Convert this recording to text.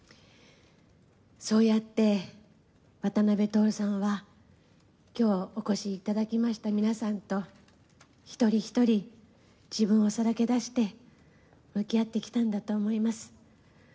そうやって渡辺徹さんは、きょうお越しいただきました皆さんと、一人一人、自分をさらけ出して向き合ってきたんだと思います。